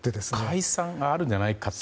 解散があるんじゃないかと。